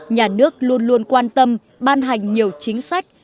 nhà nước luôn luôn quan tâm ban hành nhiều chính sách